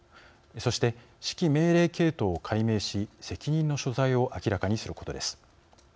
そして、指揮命令系統を解明し責任の所在を明らかにすることです。